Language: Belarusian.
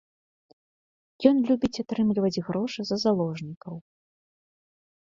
Ён любіць атрымліваць грошы за заложнікаў.